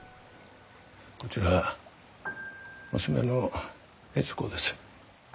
こちら娘の悦子です。